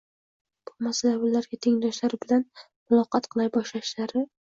Bu narsa ularga tengdoshlari bilan muloqot qila boshlashlari